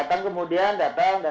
datang kemudian datang